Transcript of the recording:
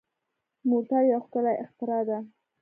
موټر یو ښکلی اختراع ده.